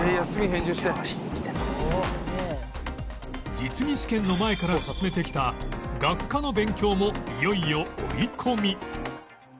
実技試験の前から進めてきた学科の勉強もいよいよ追い込み